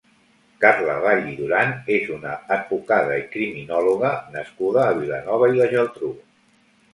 Carla Vall i Duran és una advocada i criminòloga nascuda a Vilanova i la Geltrú.